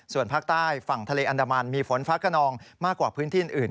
ส่วนภาคใต้ฝั่งทะเลอันดามันมีฝนฟ้ากระนองมากกว่าพื้นที่อื่น